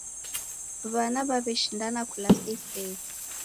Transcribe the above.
W'ana w'aw'eshindana kulasa iseghe